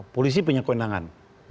polisi punya kewenangan